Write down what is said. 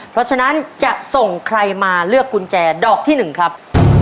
เพราะฉะนั้นจะส่งใครมาเลือกกุญแจดอกที่๑ครับ